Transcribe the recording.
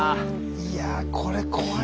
いやぁこれ怖いな。